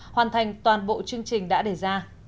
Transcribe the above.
hoàn thành toàn bộ chương trình đã đề ra